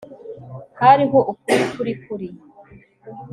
Hariho ukuri kuri kuri